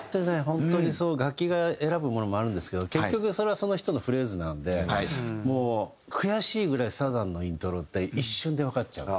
本当にそう楽器が選ぶものもあるんですけど結局それはその人のフレーズなんでもう悔しいぐらいサザンのイントロって一瞬でわかっちゃう。